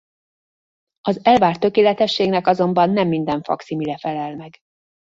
Az elvárt tökéletességnek azonban nem minden fakszimile felel meg.